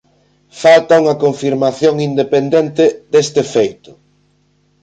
Falta unha confirmación independente deste feito.